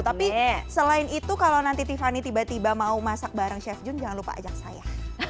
tapi selain itu kalau nanti tiffany tiba tiba mau masak bareng chef jun jangan lupa ajak saya